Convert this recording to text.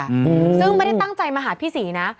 อืมซึ่งไม่ได้ตั้งใจมาหาพี่ศรีนะ